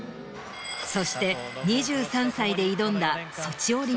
そして２３歳で挑んだ。